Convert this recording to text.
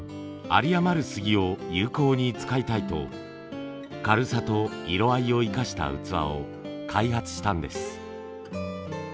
有り余るスギを有効に使いたいと軽さと色合いを生かした器を開発したんです。